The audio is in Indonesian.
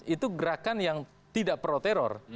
itu gerakan yang tidak pro teror